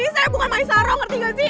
ini saya bukan maisaro ngerti gak sih